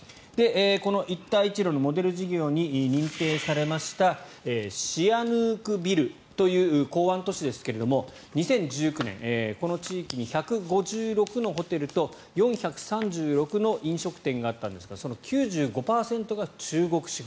この一帯一路のモデル事業に認定されましたシアヌークビルという港湾都市ですけれども２０１９年、この地域に１５６のホテルと４３６の飲食店があったんですがその９５％が中国資本。